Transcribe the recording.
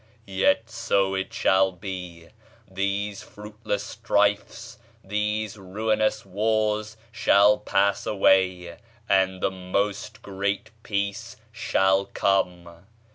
Yet so it shall be; these fruitless strifes, these ruinous wars shall pass away, and the 'Most Great Peace' shall come....